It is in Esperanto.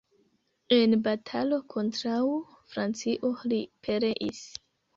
En batalo kontraŭ Francio li pereis.